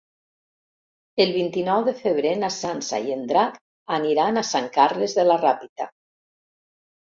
El vint-i-nou de febrer na Sança i en Drac aniran a Sant Carles de la Ràpita.